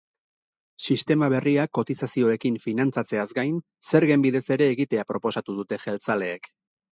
Sistema berria kotizazioekin finantzatzeaz gain, zergen bidez ere egitea proposatu dute jeltzaleek.